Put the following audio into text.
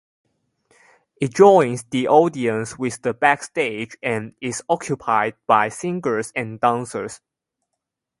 It joins the audience with the backstage and is occupied by singers and dancers.